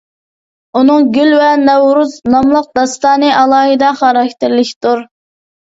ئۇنىڭ «گۈل ۋە نەۋرۇز» ناملىق داستانى ئالاھىدە خاراكتېرلىكتۇر.